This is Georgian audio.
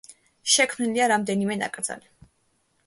შექმნილია რამდენიმე ნაკრძალი.